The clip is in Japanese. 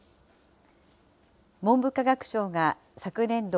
文部科学省が昨年度